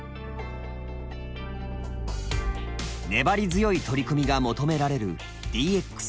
粘り強い取り組みが求められるＤＸ。